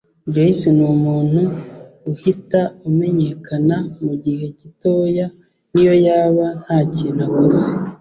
Joyce ni umuntu uhita umenyekana mu gihe gitoya niyo yaba nta kintu akoze